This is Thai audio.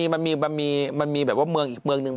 บางทีมันมีแบบว่าโลงอีกเมืองหนึ่ง